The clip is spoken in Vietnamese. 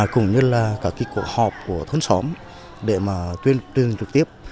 cũng như là các cái cuộc họp của thôn xóm để mà tuyên truyền trực tiếp